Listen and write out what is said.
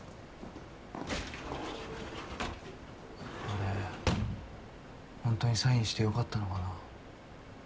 あれほんとにサインしてよかったのかな。